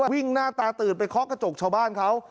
หน้าตาตื่นไปเคาะกระจกชาวบ้านเขา